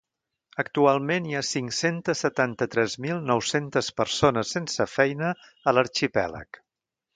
Actualment hi ha cinc-cents setanta-tres mil nou-centes persones sense feina a l’arxipèlag.